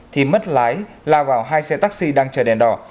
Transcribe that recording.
thì mất lái lao vào hai xe taxi đang chờ đèn đỏ